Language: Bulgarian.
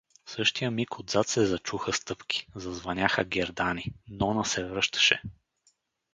В същия миг отзад се зачуха стъпки, зазвъняха гердани — Нона се връщаше.